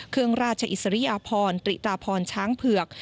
เครื่องราชอิสริยพรติตาพรช้างเผือก